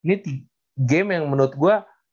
ini tea game yang menurut gue